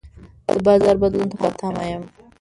د بازار بدلون ته په تمه یم.